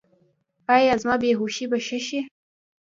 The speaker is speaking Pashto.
ایا زما بې هوښي به ښه شي؟